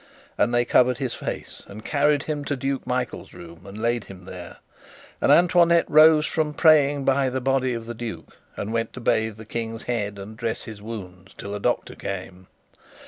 And they covered his face and carried him to Duke Michael's room, and laid him there; and Antoinette rose from praying by the body of the duke and went to bathe the King's head and dress his wounds, till a doctor came.